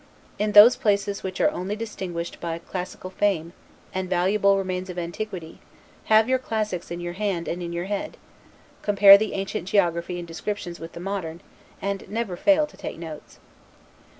In those places which are only distinguished by classical fame, and valuable remains of antiquity, have your classics in your hand and in your head; compare the ancient geography and descriptions with the modern, and never fail to take notes.